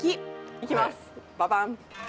いきます、ババン！